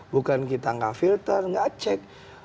bukan kita nggak filter nggak cek